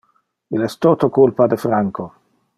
Il es toto culpa de Franco.